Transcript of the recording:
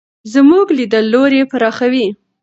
زموږ لیدلوری پراخوي.